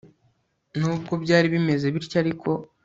nubwo byari bimeze bityo ariko